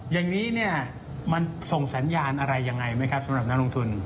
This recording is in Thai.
อย่างนี้เนี่ยมันส่งสัญญาณอะไรยังไงไหมครับสำหรับนักลงทุน